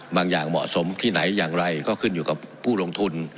อย่างเหมาะสมที่ไหนอย่างไรก็ขึ้นอยู่กับผู้ลงทุน